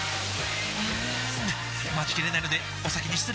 うーん待ちきれないのでお先に失礼！